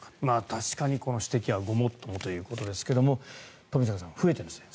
確かに、この指摘はごもっともということですが富坂さん、増えてるんですね。